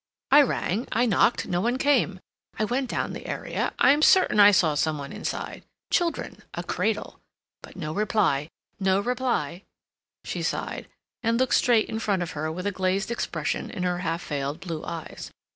I rang, I knocked; no one came. I went down the area. I am certain I saw some one inside—children—a cradle. But no reply—no reply." She sighed, and looked straight in front of her with a glazed expression in her half veiled blue eyes.